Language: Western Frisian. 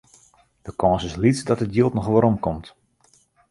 De kâns is lyts dat it jild noch werom komt.